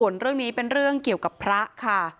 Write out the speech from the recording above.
ส่วนเรื่องนี้เป็นเรื่องเกี่ยวกับพระค่ะ